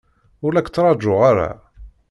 Ur la k-ttṛajuɣ ara.